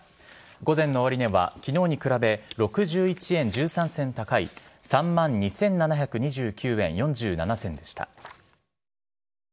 午前の終値は昨日に比べ６１円１３銭高い３万２７２９円４７銭でした。